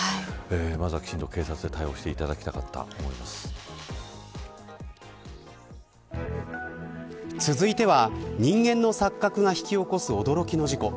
まずはきちんと警察で対応して続いては、人間の錯覚が引き起こす驚きの事故。